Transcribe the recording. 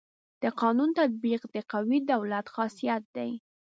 د قانون تطبیق د قوي دولت خاصيت دی.